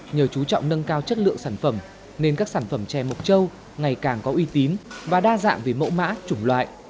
nhờ chú trọng nâng cao chất lượng sản phẩm nên các sản phẩm chè mộc châu ngày càng có uy tín và đa dạng về mẫu mã chủng loại